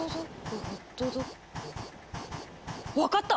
分かった！